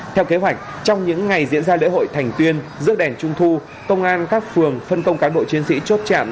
theo kế hoạch trong những ngày diễn ra lễ hội thành tuyên rước đèn trung thu công an các phường phân công cán bộ chiến sĩ chốt chạm